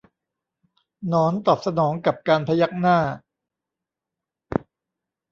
หนอนตอบสนองกับการพยักหน้า